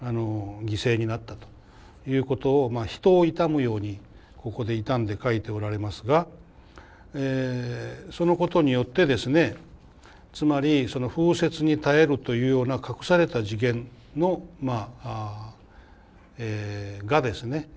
犠牲になったということを人を悼むようにここで悼んで書いておられますがそのことによってですねつまり「風雪に耐える」というような「隠された次元」がですね